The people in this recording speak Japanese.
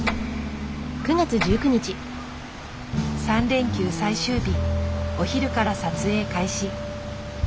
３連休最終日お昼から撮影開始。